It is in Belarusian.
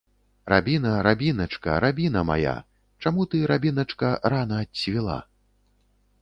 Рабіна, рабіначка, рабіна мая, чаму ты, рабіначка, рана адцвіла?